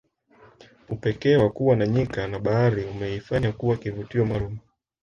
upekee wa kuwa na nyika na bahari umeifanya kuwa kivutio maalum